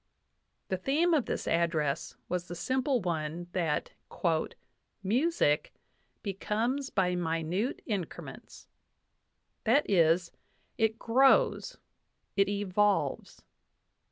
The theme of this address was the simple one that "Music .*.. becomes by minute increments" that is, it grows, it evolves.